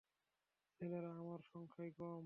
ছেলেরা, আমরা সংখ্যায় কম।